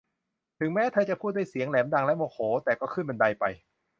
ถึงแม้เธอจะพูดด้วยเสียงแหลมดัง และ โมโห แต่ก็ขึ้นบันไดไป